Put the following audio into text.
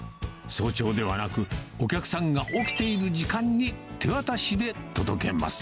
早朝ではなく、お客さんが起きている時間に手渡しで届けます。